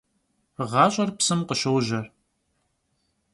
ГъащӀэр псым къыщожьэ.